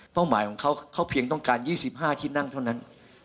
หมายของเขาเขาเพียงต้องการ๒๕ที่นั่งเท่านั้น